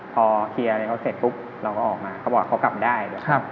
พอเคลียร์อะไรเขาเสร็จปุ๊บเราก็ออกมาเขาบอกเขากลับได้ด้วย